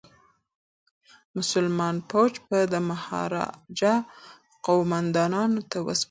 مسلمان فوج به د مهاراجا قوماندانانو ته وسپارل شي.